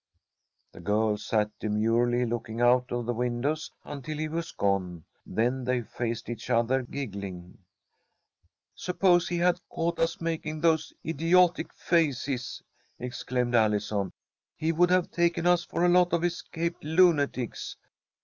The girls sat demurely looking out of the windows until he was gone, then they faced each other, giggling. "Suppose he had caught us making those idiotic faces," exclaimed Allison. "He would have taken us for a lot of escaped lunatics."